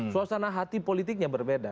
suasana hati politiknya berbeda